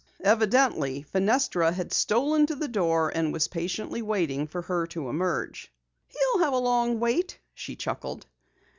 Evidently Fenestra had stolen to the door and was patiently waiting for her to emerge. "He'll have a long wait," she chuckled.